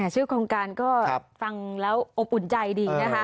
ชื่อโครงการก็ฟังแล้วอบอุ่นใจดีนะคะ